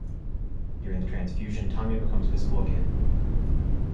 During the transfusion Tommy becomes visible again.